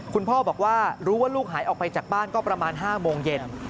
คุณพ่อบอกว่ารู้ว่าลูกหายออกไปจากบ้านก็ประมาณ๕โมงเย็น